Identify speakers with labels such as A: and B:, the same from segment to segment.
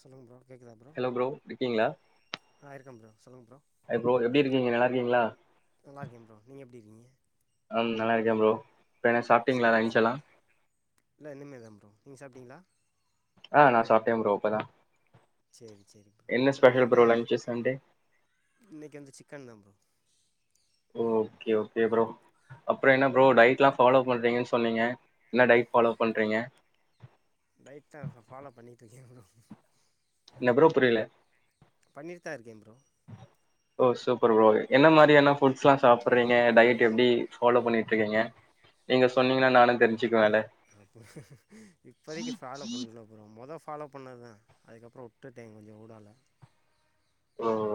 A: சொல்லுங்கள் ப்ரோ கேட்குதா
B: hello bro இருக்கீங்களா
A: ஆ இருக்கே ப்ரோ சொல்லுங்க ப்ரோ
B: ஹாய் ப்ரோ எப்டி இருக்கீங்க நல்லா இருக்கீங்களா
A: நல்லா இருக்கே ப்ரோ நீங்க எப்டி நீங்க
B: ம் நல்லா இருக்கே ப்ரோ இப்ப என்ன சாப்ட்டீங்களா
A: சேரி
B: லன்ச்
A: சேரி
B: எல்லா
A: இல்ல இனிமே தா ப்ரோ நீங்க சாப்டீங்களா
B: ஆ நா சாப்ட்டே ப்ரோ இப்பதா
A: சேரி சேரி ப்ரோ
B: என்ன
A: இப்ப நீங்க
B: ஸ்பெஷல்
A: எந்த
B: ப்ரோ லன்ச்சு சண்டே
A: இன்னைக்கு வந்து சிக்கன் தா ப்ரோ
B: ஓகே ஓகே ப்ரோ அப்றோ என்ன ப்ரோ டயட்ல்லா ஃபாலோ பண்றீங்கன்னு சொன்னீங்க என்ன டைய்ட் ஃபாலோ பண்றீங்க
A: டயட் தா ஃபாலோ பண்ணிட்டு இருக்கே ப்ரோ
B: எப்ரோ புரியல
A: பண்ணிட் தா இருக்கே ப்ரோ
B: ஓ சூப்பர் ப்ரோ என்ன மாரியான ஃபுட்ஸ்லா சாப்றீங்க டயட் எப்டி ஃபாலோ பண்ணி டி இருக்கீங்க நீங்க சொன்னீங்கன்னா
A: இப்ப
B: நானு தெரிஞ்சுக்குவேல
A: இப்பதைக்கு ஃபாலோ பண்ணல ப்ரோ மொத ஃபாலோ பண்ணது தா அதுக்கப்புற உட்டுட்ட கொஞ்ச ஊடால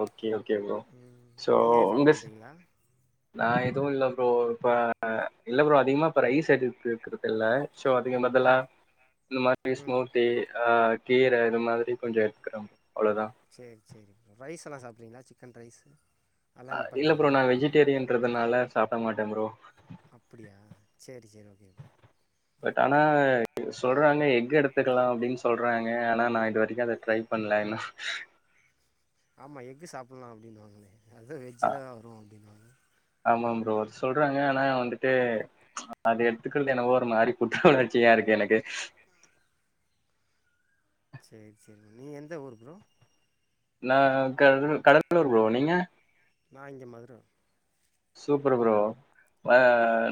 B: ஓகே ஓகே ப்ரோ
A: ம்
B: சோ
A: நீங்கள் ஃபாலோ
B: உங்க
A: பண்ணுறீங்களா
B: நா எதுவு இல்ல ப்ரோ இப்ப இல்ல ப்ரோ அதிகமா இப்ப ரைஸ் எடு எடுக்கறது இல்ல சோ அதுக்கு
A: ஆ
B: மதல்ல இந்த மாரி
A: ம்
B: ஸ்மூ்த்தி அ கீர இது மாதிரி கொஞ்ச எடுத்துக்கிறோ அவ்ளோ தா
A: சேரி ப்ரோ ரைஸ்ஸெல்லா சாப்றீங்களா சிக்கன் ரைஸு
B: ஆ
A: அதெல்லாம்
B: இல்ல ப்ரோ
A: நிப்பாட்டிங்களா
B: நா வெஜிடேரியன்றதுனால சாப்ட மாட்டே ப்ரோ
A: அப்படியா சேரி சேரி ஒகே ப்ரோ
B: பட் ஆனா சொல்றாங்க எக்ஃகு எடுத்துக்கலா அப்டின்னு சொல்றாங்க ஆனா நா இது வரைக்கு அத ட்ரை பண் ல [inaudible]
A: ஆமா எக்ஃகு சாப்டலா அப்படின்னுவாங்களே அது வெஜ்ஜல தா வரு அப்படின்னுவாங்க
B: ஆமா ப்ரோ அது சொல்றாங்க ஆனா வந்துட்டு அது எடுத்துக்கிறது என்னவோ ஒரு மாரி குற்ற உணர்ச்சியா இருக்கு எனக்கு
A: சேரி சேரி நீ எந்த ஊர் ப்ரோ
B: நான் கட கடலூர் ப்ரோ நீங்க
A: நா இங்க மதுர
B: சூப்பர் ப்ரோ ஆ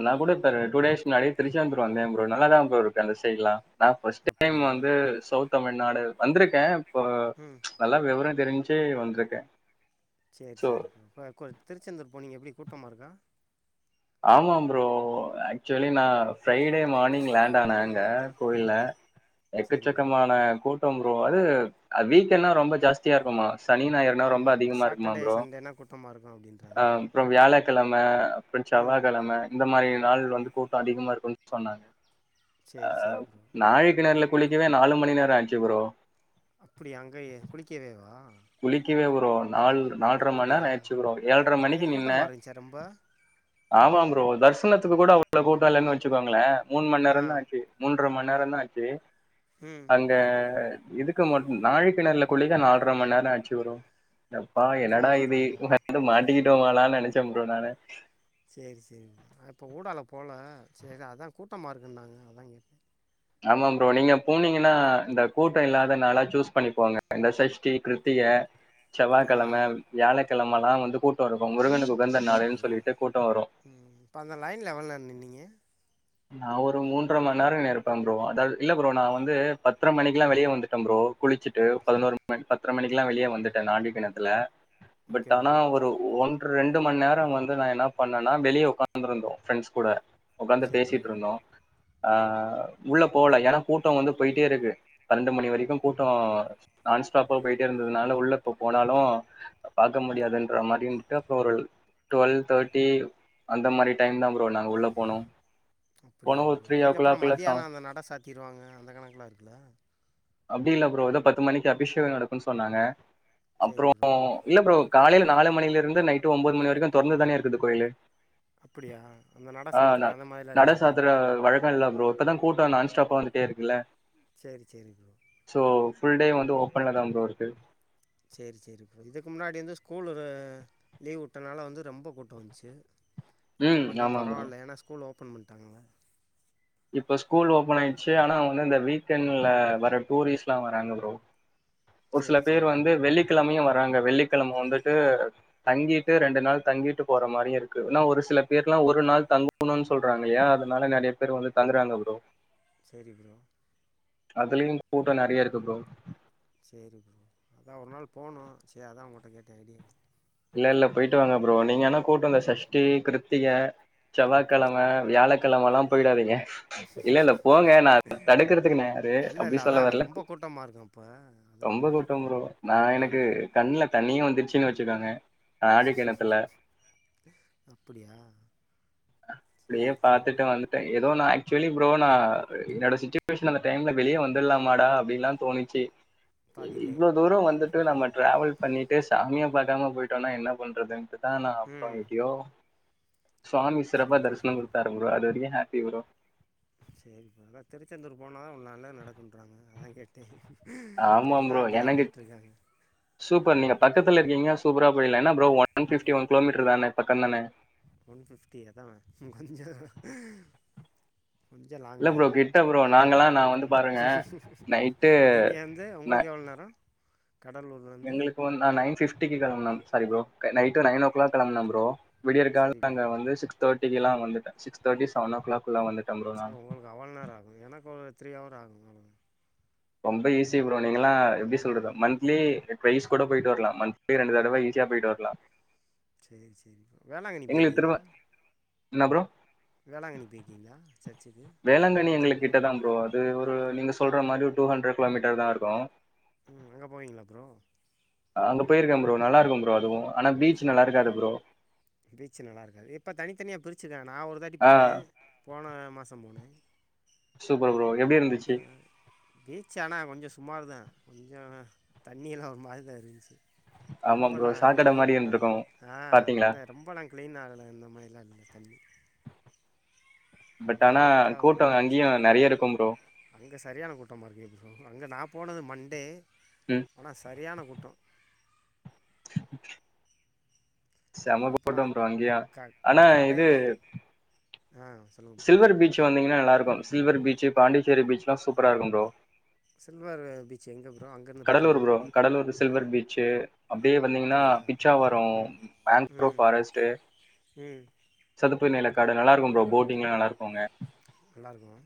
B: நா கூட இப்ப டூ டேஸ் முன்னாடி திருச்செந்தூர் வந்தேன் ப்ரோ நல்லாதா ப்ரோ இருக்கு அந்த சைட்லா நா ஃபஸ்ட் டைம்
A: அப்படியா
B: வந்து சௌத் தமிழ்நாடு வந்திருக்கே இப்போ
A: ம்
B: நல்லா விவர தெரிஞ்சே வந்திருக்கே
A: சேரி
B: சோ
A: சேரி ப்ரோ இப்ப திருச்செந்தூர் போனீங்க எப்டி கூட்டமா இருக்கா
B: ஆமா ப்ரோ ஆக்சுவலி நா ஃப்ரைடே மார்னிங் லேண்ட் ஆன அங்க கோயில்லா
A: சரி ப்ரோ
B: எக்கச்சக்கமான கூட்டோ ப்ரோ அது வீக்கெண்டா ரொம்ப ஜாஸ்தியாருக்குமா சனி ஞாயர்னா ரொம்ப
A: ஆமாம்
B: அதிகமா இருக்குமா
A: சாட்டர்டே
B: ப்ரோ
A: சண்டேனா கூட்டமாக இருக்கும்
B: அ
A: அப்படின்றாங்க
B: அப்புறம் வியாலக்கெளம செவ்வா
A: ம்
B: கெளம இந்த மாரி நாள் வந்து கூட்டோ அதிகமாருக்கோன் சொன்னாங்க
A: செரி செரி ப்ரோ
B: நாழி கிணறுல குளிக்கவே நாலு மணி நேரோ ஆயிச்சி ப்ரோ
A: அப்டியா அங்கயே குளிக்கவேவா
B: குளிக்கவே ப்ரோ நாள் நாள்ற மண் நேரோ
A: அப்படியா
B: ஆயிடுச்சி ப்ரோ ஏல்ற மணிக்கு
A: ஏன்
B: நின்ன
A: கூட்டமாக இருந்துச்சா ரொம்ப
B: ஆமாம் ப்ரோ தரிசனத்துக்கு கூட அவள கூட்டம் இலன்னு வச்சுக்கோங்களே முண்மணி
A: ஆ
B: நேரம்தான் ஆச்சி மூன்ற மணி கொன்னேரந் தா ஆச்சி
A: ம்
B: அங்க இதுக்கு மட்டு நாழிகெணறுலா குளிக்க நால்ர மண் நேரோ என்ன ஆச்சி ப்ரோ அடப்பாவி
A: ஆல்ரை
B: என்னடா
A: மணி நேரம்
B: இது
A: ஆகுதா
B: வந்து மாட்டிக்கிட்டோமாடான்னு நெனச்ச ப்ரோ நானு
A: சேரி சேரி நா இப்போ ஊடால போல சேரி அதா கூட்டமாருக்குன்னாங்க அதா கேட்டே
B: ஆமா ப்ரோ நீங்க போனீங்கன்னா இந்த கூட்டோ இல்லாத நாளா சூஸ் பண்ணிப்போங்க இந்த சஷ்டி கிருத்திக க செவ்வாகெளம
A: ஆ
B: வியாலக்கெளமல்லா வந்து கூட்டோருக்
A: கூட்டோருக்கு ம் இப்போ அந்த லைன்ல்ல எவ்ள நேரோ நின்னிங்க
B: நா ஒரு மூன்ற மண் நேரோ நின்னுருப்ப ப்ரோ அதாது இல்ல ப்ரோ நா வந்து பத்ற மணிக்குல்லா வெளிய வந்துட்ட ப்ரோ குளிச்சிட்டு பதினோரு மண் பத்ர மணிக்குல்லா வெளிய வந்துட்ட நாழி கெணத்துல பட்
A: ஓகே
B: ஆனா
A: ப்ரோ
B: ஒரு ஒன்ற ரெண் டுமண்நேரோ வந்து நா என்ன பண்ணனா வெளிய ஒக்காந்துருந்தோ பிரண்ட்ஸ் கூட
A: சரி ப்ரோ
B: பேசிட்ரிந்தோ அ உள்ள போல ஏன்னா கூட்டோ வந்து போயிட்டேருக்கு பனெண்டு மணி வெரிக்கு கூட்டோ நான் ஸ்டாப்பா போயிட்டே இருந்ததுனால உள்ள இப்ப போனாலு பாக்க முடியாதுன்ற மாரி இருந்துட்டு அப்றோ ஒரு டுவொல் தர்ட்டி அந்த மாரி டைம் தா ப்ரோ நாங்க உள்ள போனோ
A: அப்டியா ப்ரோ அதுக்கப்றோ
B: சா
A: மத்தியானோ அந்த நட சாத்திருவாங்க அந்த கணக்கெல்லாருக்குல்ல
B: அப்டி இல்ல ப்ரோ ஏதோ பத்து மணிக்கு அபிஷேகொ நடக்குன்னு சொன்னாங்க
A: சரி
B: அப்புறோ
A: ப்ரோ
B: இல்ல ப்ரோ காலைல நாலு மணிலருந்து நைட்டு ஒம்போது மணி வரைக்கு தொறந்து தான இருக்குது கோயிலு
A: அப்படியா அந்த நட
B: ஆ ந
A: சாத்துற அந்த மாரிலா இல்லைய ப்ரோ
B: இப்பதா கூட்டோ நான் ஸ்டாப்பா வந்துட்டேருக்குல்ல
A: சேரி சேரி
B: இப்போ ஃபுல் டே வந்து ஓப்பன்ல தா ப்ரோ இருக்கு
A: சேரி சேரி ப்ரோ இதுக்கு முன்னாடி வந்து ஸ்கூல்லு லீவ் வுட்டனால வந்து ரொம்போ கூட்டோ வந்ச்சி இப்போ
B: ம்
A: கொஞ்சோ
B: ஆமா ப்ரோ.
A: பரவால்ல ஏன்னா ஸ்கூல்ல ஓப்பன் பண்ட்டாங்கள
B: இப்ப ஸ்கூல் ஓபன் ஆயிட்ச்சி ஆனா வந்து இந்த வீக்கெண்ட்ல வர டூரிஸ்லா வராங்க ப்ரோ ஒரு சில
A: சரி
B: பேர்
A: சரி ப்ரோ
B: வந்து வெள்ளிக்கெளமையு வறாங்க வெள்ளிக்கெளம வந்துட்டு தங்கிட்டு ரெண்டு நாள் தங்கிட்டு போற மாரியிருக்கு ஏன்னா ஒரு சில பேர்ல்லா ஒரு நாள் தங்கணுன்னு சொல்றாங்கல்லையா அதனால நெறைய பேர் வந்து தங்கறாங்க ப்ரோ
A: செரி ப்ரோ
B: அதுலயு கூட்டோ நெறைய இருக்கு ப்ரோ
A: சேரி ப்ரோ அதா ஒரு நாள் போனோ‌ சேரி அதா உங்கட்ட கேட்டே ஐடியா
B: இல்லல்ல போயிட்டு வாங்க ப்ரோ நீங்க ஆனா கூட்டோ இந்த சஷ்டி கிருத்திக செவ்வாகெளம வியாலக்கெளமல்லா போயிடாதீங்க இல்ல இல்ல போங்க நா தடுக்கறதுக்கு நா யாரு அப்டி
A: இல்லல்ல அதா
B: சொல்ல வரல
A: ரொம்ப
B: கு-
A: கூட்டமாருக்கோ அப்ப
B: ரொம்ப கூட்டோ ப்ரோ நா எனக்கு கண்ல தண்ணியே வந்துருச்சின் வெச்சிக்கோங்க
A: அப்டியா
B: அப்டியே பாத்துட்டு வந்துட்ட எதோ நா ஆக்சுவலி ப்ரோ நா அ என்னோட சிச்சுவேஷன் அந்த டைம்ல வெளிய வந்துட்லாமாடா அப்டின்ல்லா தோணிச்சி
A: பாதியிலே
B: இவ்ளோ தூரோ வந்துட்டு நம்ம டிராவல் பண்ணிட்டு சாமிய பாக்காம போயி டோனா என்ன பண்றதுன்ட்டுதா நா அப்பா
A: ம்
B: எப்டியோ சுவாமி சிறப்பா
A: சேரி
B: தரிஸ்னோ
A: சேரி
B: குடுத்தாரு ப்ரோ அதுவெரிக்கு ஹாப்பி ப்ரோ
A: சேரி ப்ரோ திருச்செந்தூர் போ னாதா உ நல்லா நடக்குன்றாங்க அதா கேட்டே இப்ப
B: ஆமா
A: எல்லா
B: ப்ரோ
A: அங்கதா
B: எனக்கு
A: போய்ட்ருக்காங்க
B: சூப்பர் நீங்க பக்கத்துல இருக்கீங்க சூப்பரா போயிலா என்னா bro one fifty one kilometre தான பக்கந்தான
A: ஒன் பிஃப்டி அதா ம் கொஞ்சோ கொஞ்சோ லாங்க்
B: இல்ல
A: தா
B: ப்ரோ கிட்ட ப்ரோ
A: ஆ
B: நாங்கெல்லா நான் வந்து பாருங்க நைட்டு
A: நீங்க வந்து உங்களுக்கு எவ்ள் நேரோ கடலூர்லேருந்து
B: எங்களுக்கு வந் நா நைன் ஃபிப்டிக்கு கெளம்பன சாரி ப்ரோ க நைட்டு நைன் ஓ க்ளாக் கெளம்ப்ன ப்ரோ விடியற்கால
A: சேரி
B: அங்க
A: ப்ரோ
B: வந்து சிக்ஸ் தேட்டிக்கெலா வந்துட்ட சிக்ஸ் தேட்டி சவனோ ஓ க்ளாக்
A: ஒ உங்களுக்கு அவள் நேர ஆகுது எனக் ஒரு த்ரீ ஹவர் ஆகு [unintelligible]
B: ரொம்ப ஈஸி ப்ரோ நீங்கலா எப்டி
A: ஆ
B: சொல்றது மந்த்லி ட்வைஸ் கூட போய்ட்டு வர்லா மந்த் லி ரெண்டு தடவ
A: ம்
B: ஈஸியா போய்ட்டு வர்லா
A: சேரி சேரி ப்ரோ வேளாங்கண்ணி போய்ற்க்கீங்ளா
B: இன்னா ப்ரோ
A: வேளாங்கண்ணி போய்ற்க்கீங்ளா சர்ச்சுகு அந்த
B: எங்களுக்கு
A: வேளாங்கண்ணி
B: கிட்ட தான் ப்ரோ அது ஒரு நீங்க சொல்ற மாரி டூ ஹண்ட்ர கிலோமீட்டர் தா இருக்கு
A: ம் அங்க போவீங்களா ப்ரோ
B: அங்க போயிருக்கே ப்ரோ நல்லா இருக்கு ப்ரோ அதுவு
A: [unintelligible] பீச்சு நல்லா இருக்காது இப்ப தனித்தனியா பிரிச்சிருக்கா நா ஒரு தாட்டி
B: ஆ
A: போனே போன மாசோ போனே
B: சூப்பர் ப்ரோ எப்டி இருந்துச்சு
A: கொஞ்சு சுமாரு தா கொஞ்சோ தண்ணியெல்லா ஒரு மாரி தா இருந்துச்சு
B: ஆமா ப்ரோ
A: ரொம்பலாம்
B: சாக்கட மாரி இர்ந்
A: க்ளீனாலாம் ஆ அந்த ரொம்பெல்லா க்ளீன் ஆகல இந்த மாரிலா இல்ல
B: பட்
A: கொஞ்சோ
B: ஆனா
A: லைட்டா ஒரு மாத்ரி
B: கூட்டம்
A: ஆய்ச்சு
B: அங்கேயும் நெறைய இருக்கும் ப்ரோ
A: அங்க சரியான கூட்டமாருக்கு எப்டி சொ அங்க நா போனது மண்டே
B: ம்
A: ஆனா சரியான கூட்டோ
B: செம
A: அதுக்கப்புறம்
B: கூட்டோ
A: அந்த
B: ப்ரோ அங்கியா
A: க
B: ஆனா இது
A: கடையில் ஆ சொல்லுங்கள் ப்ரோ
B: சில்வர் பீச்சு வந்தீங்கனா நல்லாருக்கு சில்வரு பீச்சு பாண்டிச்சேரி பீச்ல்லா சூப்பரா இருக்கு ப்ரோ
A: சில்வரு பீச் எங்க
B: Cuddalore bro Cuddalore silver beach அப்டியே வந்தீங்கனா
A: அப்படியா
B: பிச்சாவரோ
A: ம்
B: ஆங் க்ரூவ்
A: ம்
B: ஃபாரஸ்டு
A: ம்
B: சதுப்பு நிலக்காடு நல்லாருக்கு ப்ரோ போட்டிங்லா நல்லாருக்கு அங்க
A: நல்லாயிருக்கும்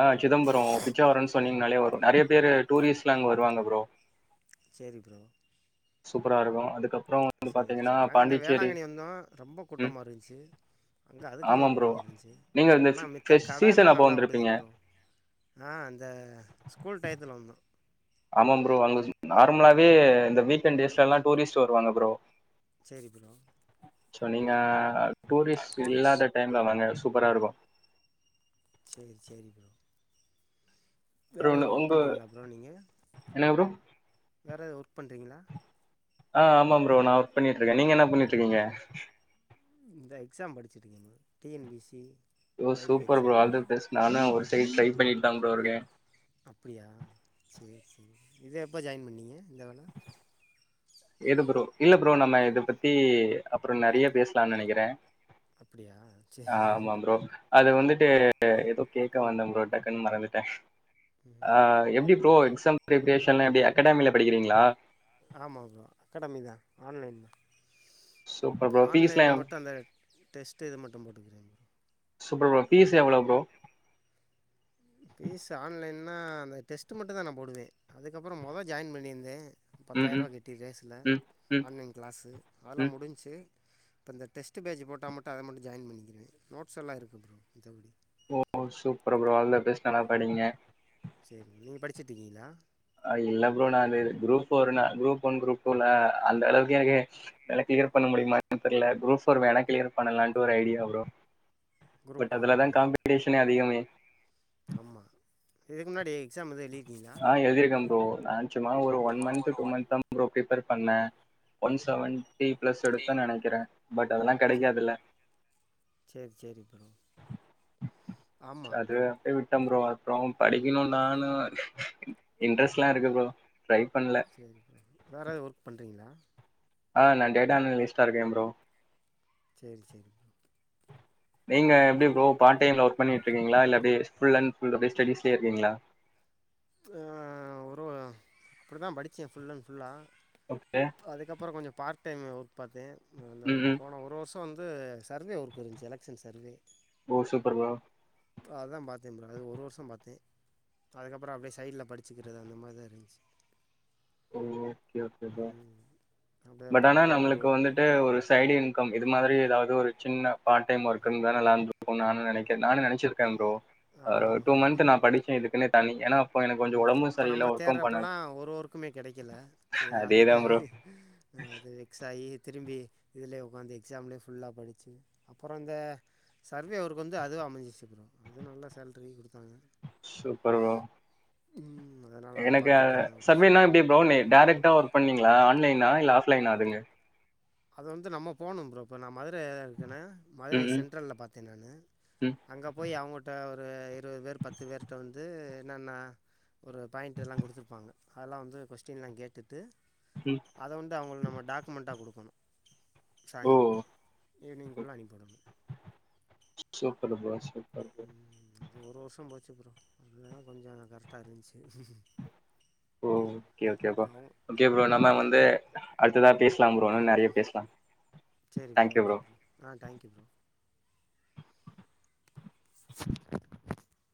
B: ஆ சிதம்பரோ பிச்சா வரன் சொன்னீங்னாலே வ நறைய பேரு டூரிஸ்ட்லா அங்க வருவாங்க ப்ரோ
A: சேரி ப்ரோ
B: சூப்பரா இருக்கு அதுக்கப்
A: சேரி சேரி நாங்க அந்த வேளாங்கண்ணி வந்தோ ரொம்போ
B: ம்.
A: கூட்டமா இருந்ச்சு அங்க அதுக்கு மேல
B: ஆமாம் ப்ரோ.
A: கூட்டம இருந்ச்சு
B: நீங்க இந்த
A: ஆனா
B: ஃபெ
A: மித்த
B: ஃபெஸ்
A: கடை எல்லா
B: சீசன் அப்போ
A: நல்லா ஓடுது
B: வந்திருப்பீங்க.
A: ப்ரோ ஆ அந்த ஸ்கூல் டயத்துல் வந்தோ
B: ஆமாம் ப்ரோ அங்க நார்மலாவே இந்த வீக்கெண்ட் டேஸ்லெல்லா டூரிஸ்ட் வருவாங்க ப்ரோ
A: செரி ப்ரோ
B: சோ நீங்க டூரிஸ்ட் இல்லாத டைம்ல வாங்க சூப்பரா இருக்கு
A: சேரி சேரி ப்ரோ வேற
B: ப்ரோ
A: எது ஒர்க்
B: உங்க
A: பண்றீங்ளா ப்ரோ நீங்க
B: என்னங்க ப்ரோ?
A: வேறு எ ஒர்க் பண்றீங்ளா
B: அ ஆமா ப்ரோ நா ஒர்க் பண்ணிட்ருக்கே நீங்க என்ன பண்ணிட்ருக்கீங்க
A: இந்த எக்ஸாம் படிச்சிட்ருக்கே bro T N P C
B: ஓ சூப்பர் ப்ரோ ஆல்தபெஸ் நானு ஒரு சைட் ட்ரை பண்ணிட் தா ப்ரோ இருக்கே
A: அப்பிடியா செரி செரி இது எப்ப ஜாயின் பண்ணீங்க இந்த வேல
B: எது ப்ரோ இல்ல ப்ரோ நாம இத பத்தி அப்றோ நேறைய
A: ம்
B: பேசலானு நெனைக்கிற
A: அப்படியா
B: அ
A: சரி
B: ஆமா ப்ரோ அது வந்துட்டு ஏதோ கேட்க
A: ம்
B: வந்தோ ப்ரோ டக்குன்னு மறந்துட் ட்ட அ எப்பிடி ப்ரோ எக்ஸாம் பிரெப்ரேஷன்லா எப்டி அகாடமில படிக்கிறீங்களா
A: ஆமா ப்ரோ அகடமிதா ஆன்லைன்
B: சூப்பர் ப்ரோ.
A: ஆன்லைன்ல
B: ஃபீஸ்லாம்
A: மட்டு அந்த டெஸ்ட்டு இது மட்டு போட்டுக்கிறே
B: சூப்பர் ப்ரோ பீஸ் எவ்ளோ ப்ரோ
A: பீஸ் ஆன்லைன்னா அந்த டெஸ்ட் மட்டுதா நா போடுவே அதுக்கப்புறோ மொத ஜாயின் பண்ணியிருந்தே
B: ம்,
A: பத்தாயிர
B: ம்,
A: ரூபா கட்டி ரேஸ்ல
B: ம், ம்,
A: ஆன்லைன் கிளாஸ்சு அதெல்லா
B: ம்.
A: முடிஞ்ச்சு இப்போ இந்த டெஸ்டு பேஜ் போட்டா மட்டு அத மட்டு ஜாயின் பண்ணிக்குறுவே நோட்ஸ்லெல்லா இருக்குது ப்ரோ மத்தபடி
B: ஓ சூப்பர் ப்ரோ ஆல்தபெஸ்ட் நல்லா படிங்க
A: செரி நீங்க படிச்சுட்டு இருக்கீங்களா
B: இல்ல ப்ரோ நா அது group four group one group டூல அந்த அளவுக்கு எனக்குக்கு எனக்கு கிளியர் பண்ண முடியுமானு தெரில குரூப் ஃபோர் வேணா கிளியர் பண்ணலான்டு ஒரு ஐடியா ப்ரோ
A: குரூப்
B: பட்
A: ஃபோரா
B: அதுலதா
A: ப்ரோ
B: காம்பிடேஷனே அதிகமே
A: ஆமாம் இதுக்கு முன்னாடி எக்ஸாம் எது எழுதிருக்கீங்ளா
B: நா சும்மா ஒரு ஒன் மன்த் டூ மன்த் தா ப்ரோ ப்ரேபர் பண்ணே ஒன் செவன் செவன்ட்டி பிளஸ் எடுத்தனு நெனைக்கிறே பட் அதெல்லா கெடைக்காதுல்ல
A: சேரி ப்ரோ ஆமாம்
B: அது அப்டியே விட் ட்டே ப்ரோ அப்றோ படிக்கணு நானு இன்ட்ரெஸ்ட்லா இருக்கு ப்ரோ ட்ரை பண்ல
A: வேற எது ஒர்க் பண்றீங்ளா
B: அ நா டேட்டா அனலிஸ்ட்டா இருக்கே ப்ரோ
A: சேரி சேரி
B: நீங்க எப்டி ப்ரோ பார்ட் டைம்ல ஒர்க் பண்ணிட்டு இருக்கீங்களா இல்ல எப்டி ஃபுல் அண்ட் ஃபுல் ஸ்டிஸ்லயே இருக்கீங்களா
A: அ ஒரு அப்பிடி தா படிச்சே ஃபுல் அண்ட் ஃபுல்லா
B: ஓகே
A: அதுக்கப்றோ கொஞ்சோ பார்ட் டைம் ஒர்க் பாத்தே அந்த
B: ம் ம்
A: போன ஒரு வருசோ வந்து சர்வே ஒர்க்கு இருந்துச்சு எலெக்சன் சர்வே
B: ஓ சூப்பர் ப்ரோ
A: ம் அதா பாத்தே ப்ரோ அது ஒரு வருசோ பாத்தே அதுக்கப்றோ அப்டியே சைட்ல படிச்சுக்கிறது அந்த மாரிதா இருந்துச்சு
B: ஓ ஓகே ஓகே ப்ரோ
A: ம் அப்படியே
B: பட் ஆனா
A: பார்ட் டைமாக ஒரு
B: நம்மளுக்கு வந்துட்டு ஒரு சைடு இன்கம் இது மாரி எதாவது ஒரு சின்ன பார்ட் டைம் ஒர்க் இருந்தா நல்லா இருந்துருக்கு நானு நெனைக்கிறே நானு நேனச்சிருக்கே ப்ரோ அ ஒரு
A: ஆமாம்
B: டூ
A: ப்ரோ
B: மந்த் நானு படிச்சே இதுக்குன்னே தனி ஏன்னா இப்ப எனக்கு கொஞ்சோ
A: ம்
B: ஒடம்பு சரிய இல்ல ஒர்க்கு பண்ணல
A: வெக்கல செரி அதுக்காக அது வெக்ஸ் ஆயி திரும்பி இதுலயே ஒக்காந்து எக்ஸாம்லேயே ஃபுல்லா படிச்சு அப்புறோ இந்த சர்வே ஒர்க்கு வந்து அதுவா அமஞ்சுச்சு ப்ரோ அது நல்ல சேலரி குடுத்தாங்க
B: சூப்பர் ப்ரோ
A: ம் அதனால் அதை
B: எனக்கு
A: பார்த்துட்ருந்தேன் ஒரு வருஷம்
B: சர்வேனா எப்பிடி ப்ரோ டேரக்ட்டா ஒர்க் பண்ணீங்ளா ஆன்லைனா ஆஃப்லைனா அதுங்க
A: அது வந்து நம்ம போணு ப்ரோ இப்ப நம்ம மதுர இருக்கேன மதுரை
B: ம் ம்
A: சென்ட்ரல் பாத்தே நானு
B: ம்
A: அங்கே போய் அவங்கிட்ட ஒரு ஒரு இருபது பேர் பத்து பேர்கிட்ட வந்து என்னென்ன ஒரு பாயிண்ட்டெல்லா குடுத்துருப்பாங்க அதெல்லா வந்து கொஸ்டின்லா கேட்டுட்டு
B: ம்
A: அத வன்டு அவங்களுக்கு நம்ம டாக்குமெண்ட்டா குடுக்கணு
B: ஓ
A: சாயங்காலோ ஈவினிங்க்குள்ளே அனுப்பிவிடணு
B: சூப்பர் ப்ரோ சூப்பர் ப்ரோ
A: உம் அது ஒரு வருஷோ போச்சு ப்ரோ அதனாலா கொஞ்சோ கரெக்டா இருந்துச்சு
B: ஓ ஓகே ஓகே ப்ரோ
A: பாவம்
B: ஓகே
A: ஆ
B: ப்ரோ நம்ம
A: அவங்க
B: வந்து அடுத்ததா பேசலா ப்ரோ நெறைய பேசலா ஆ [inaudible]
A: செரி ப்ரோ ஓகே ப்ரோ ஆ தயிங்க்யூ ப்ரோ [inaudible]